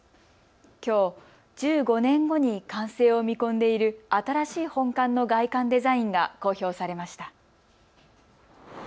きょう、１５年後に完成を見込んでいる新しい本館の外観デザインが公表されました。